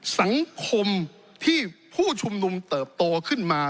สังคมที่ผู้ชุมนุมเติบโตขึ้นมา